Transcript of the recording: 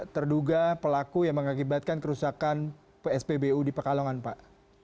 terduga pelaku yang mengakibatkan kerusakan pspbu di pekalongan pak